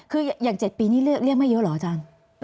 คืออย่าง๗ปีนี่เรียกไม่เยอะเหรออาจารย์